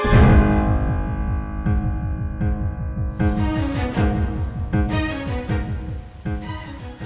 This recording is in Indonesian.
aku akan suruh kamu